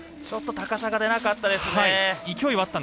ちょっと高さが出なかったですね。